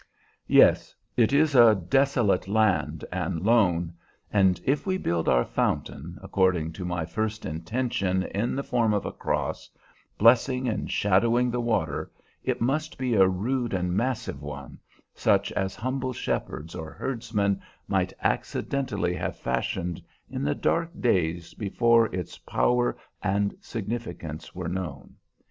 Yes, it is a 'desolate land and lone;' and if we build our fountain, according to my first intention, in the form of a cross, blessing and shadowing the water, it must be a rude and massive one, such as humble shepherds or herdsmen might accidentally have fashioned in the dark days before its power and significance were known.